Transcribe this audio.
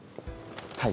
はい。